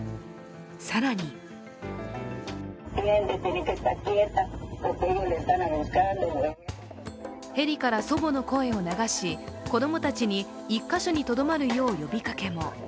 更にヘリから祖母の声を流し子供たちに１か所にとどまるよう呼びかけも。